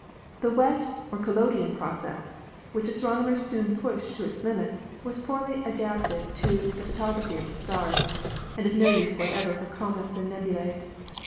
The wet or collodion process, which astronomers soon pushed to its limits, was poorly adapted to the photography of the stars, and of no use whatever for comets and nebulae.